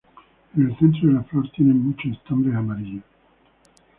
En el centro de la flor tiene muchos estambres amarillos.